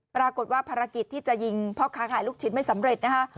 ปรากฏว่าภารกิจที่จะยิงพ่อค้าขายลูกชิ้นไม่สำเร็จนะคะ